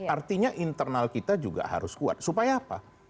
artinya internal kita juga harus kuat supaya apa